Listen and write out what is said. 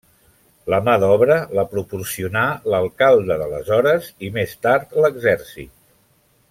La mà d'obra la proporcionà l'alcalde d'aleshores i més tard, l'exèrcit.